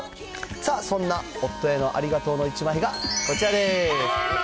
さあ、そんな夫へのありがとうの１枚がこちらです。